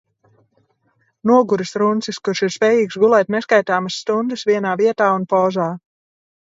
Noguris runcis, kurš ir spējīgs gulēt neskaitāmas stundas vienā vietā un pozā.